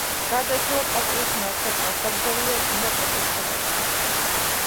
გარდაიცვალა პაპობის მეოთხე წელს, დაკრძალულია წმინდა პეტრეს ტაძარში.